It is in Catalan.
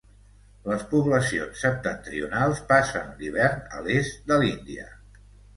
Les poblacions septentrionals passen l'hivern a l'est de l'Índia.